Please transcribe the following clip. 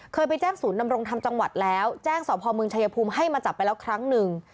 เคยไปแจ้งศูนย์นำรงธรรมจังหวัดแล้วแจ้งสพเมืองชายภูมิให้มาจับไปแล้วครั้งหนึ่ง